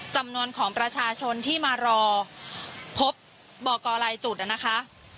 จำนวนของประชาชนที่มารอพบบอกกรลายจุดนะคะ